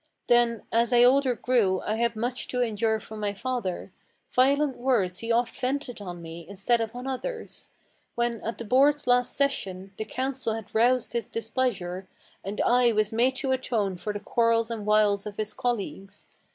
Then, as I older grew, I had much to endure from my father; Violent words he oft vented on me, instead of on others, When, at the board's last session, the council had roused his displeasure, And I was made to atone for the quarrels and wiles of his colleagues.